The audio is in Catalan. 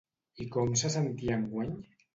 I com se sentia enguany?